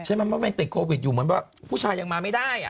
ว่ามันติดโควิดอยู่เหมือนว่าผู้ชายยังมาไม่ได้